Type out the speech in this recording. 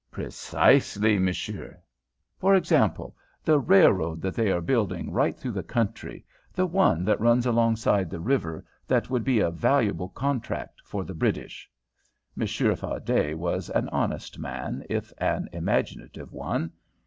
"Precisely, monsieur." "For example, the railroad that they are building right through the country, the one that runs alongside the river, that would be a valuable contract for the British?" Monsieur Fardet was an honest man, if an imaginative one.